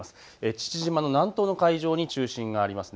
父島の南東の海上に中心があります。